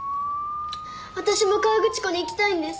私も河口湖に行きたいんです